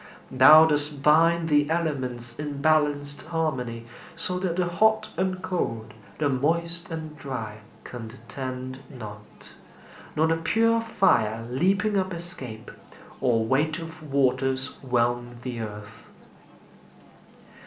Thou dost bind The elements in balanced harmony, So that the hot and cold, the moist and dry, Contend not; nor the pure fire leaping up Escape, or weight of waters whelm the earth.